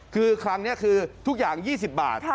คือครั้งนี้คือทุกอย่าง๒๐บาท